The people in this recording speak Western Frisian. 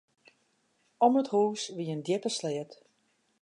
Om it hús wie in djippe sleat.